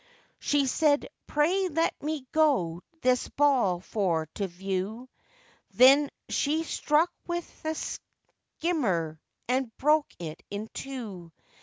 She said, 'Pray let me go this ball for to view.' Then she struck with the skimmer, and broke it in two.